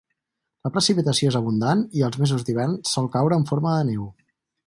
La precipitació és abundant i als mesos d'hivern sol caure en forma de neu.